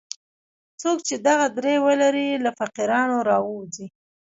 څوک چې دغه درې ولري له فقیرانو راووځي.